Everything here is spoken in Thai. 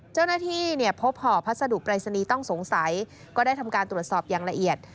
เจ้าหน้าที่พบห่อพัสดุปรายศนีย์ต้องสงสัยก็ได้ทำการตรวจสอบอย่างละเอียด